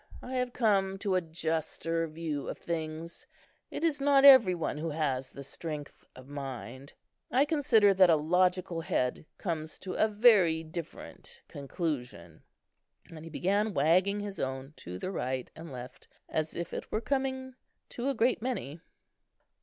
"I have come to a juster view of things. It is not every one who has the strength of mind. I consider that a logical head comes to a very different conclusion;" and he began wagging his own, to the right and left, as if it were coming to a great many.